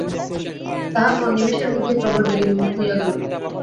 তাহার মন নিমেষের মধ্যেই প্রবলবেগে বিমুখ হইয়া গেল।